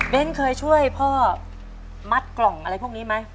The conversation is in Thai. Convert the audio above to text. เคยช่วยพ่อมัดกล่องอะไรพวกนี้ไหม